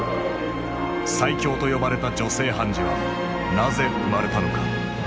最強と呼ばれた女性判事はなぜ生まれたのか。